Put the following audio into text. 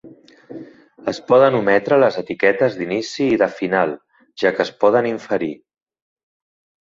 Es poden ometre les etiquetes d'inici i de final, ja que es poden inferir.